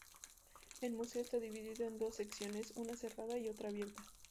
El museo está dividido en dos secciones una cerrada y otra abierta.